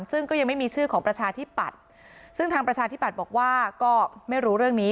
ซึ่งก็ยังไม่มีชื่อของประชาธิปัตย์ซึ่งทางประชาธิปัตย์บอกว่าก็ไม่รู้เรื่องนี้